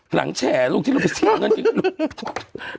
หลังแฉลูกที่เราไปเชี่ยเงินกิน